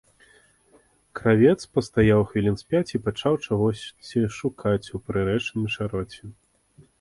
Кравец пастаяў хвілін з пяць і пачаў чагосьці шукаць у прырэчным чароце.